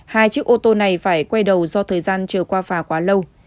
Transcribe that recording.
hai chiếc ô tô này phải quay đầu do thời gian chờ qua phà quá lâu